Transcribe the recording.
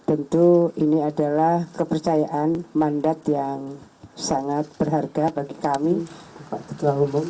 tentu ini adalah kepercayaan mandat yang sangat berharga bagi kami bapak ketua umum